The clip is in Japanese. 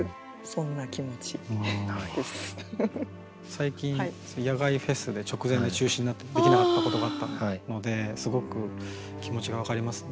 最近野外フェスで直前で中止になってできなかったことがあったのですごく気持ちが分かりますね。